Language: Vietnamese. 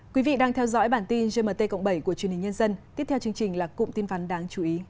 quý vị đang theo dõi bản tin gmt cộng bảy của chuyên hình nhân dân